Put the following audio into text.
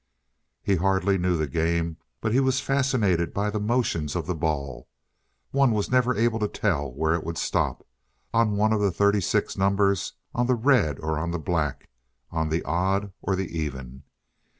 He hardly knew the game. But he was fascinated by the motions of the ball; one was never able to tell where it would stop, on one of the thirty six numbers, on the red or on the black, on the odd or the even.